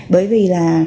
bởi vì là